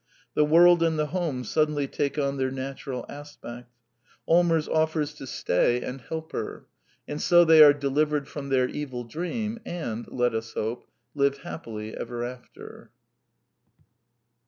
The world and the home suddenly take on their natural aspect. Allmers offers to stay and The Four Last Plays 159 help her. And so they are delivered from their evil dream, and, let us hope, live happily ever after.